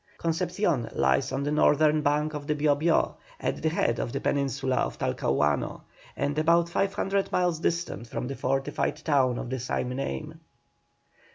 Concepcion lies on the northern bank of the Bio Bio, at the head of the peninsula of Talcahuano, and about five miles distant from the fortified town of the same name.